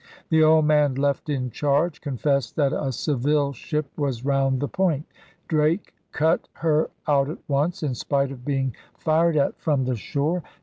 The old man left in charge confessed that a Seville ship was round the point. Drake cut her out at once, in spite of being fired at from the shore.